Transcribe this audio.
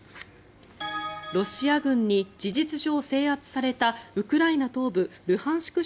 ロシア軍に事実上制圧されたウクライナ東部ルハンシク